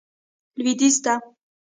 لوېدیځ ته.